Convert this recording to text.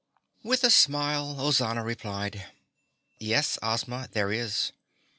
With a smile, Ozana replied, "Yes, Ozma, there is.